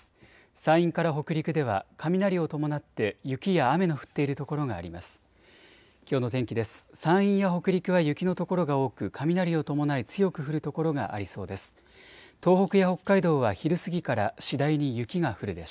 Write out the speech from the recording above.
山陰から北陸では雷を伴って雪や雨の降っている所があります。